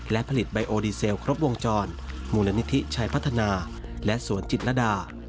และผลิตไบโอดีเซลครบวงจรมูลนิธิชัยพัฒนาและสวนจิตรดา